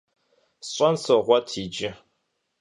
СщӀэн согъуэт иджы.